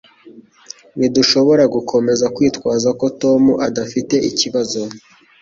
Ntidushobora gukomeza kwitwaza ko Tom adafite ikibazo.